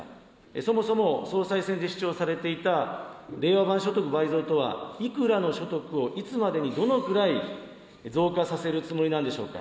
そもそも、総裁選で主張されていた令和版所得倍増とはいくらの所得をいつまでに、どのくらい増加させるつもりなんでしょうか。